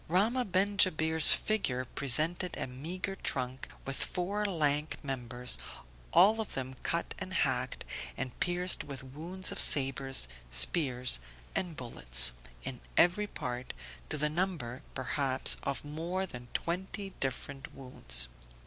Rahmah ben Jabir's figure presented a meagre trunk, with four lank members, all of them cut and hacked, and pierced with wounds of sabres, spears and bullets, in every part, to the number, perhaps of more than twenty different wounds.